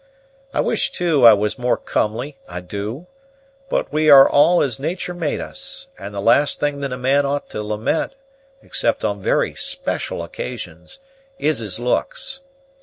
I wish, too, I was more comely, I do; but we are all as natur' made us, and the last thing that a man ought to lament, except on very special occasions, is his looks.